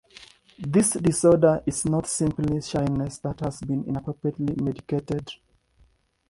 This disorder is "not" simply shyness that has been inappropriately medicated.